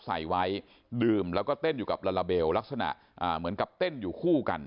ใส่ไว้ดื่มแล้วก็เต้นอยู่กับลาลาเบลลักษณะเหมือนกับเต้นอยู่คู่กัน